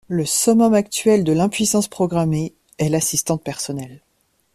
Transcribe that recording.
Le summum actuel de l’impuissance programmée est l’assistante personnelle.